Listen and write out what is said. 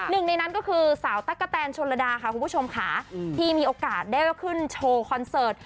หนึ่งในนั้นก็คือสาวตั๊กกะแตนชนระดาค่ะคุณผู้ชมค่ะที่มีโอกาสได้ขึ้นโชว์คอนเสิร์ต